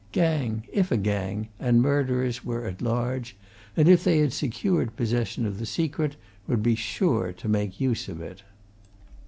Gang if a gang and murderers were at large, and, if they had secured possession of the secret would be sure to make use of it.